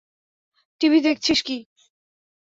TV দেখেছিস কি?